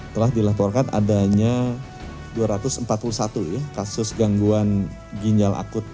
telah dilaporkan adanya dua ratus empat puluh satu ya kasus gangguan ginjal akut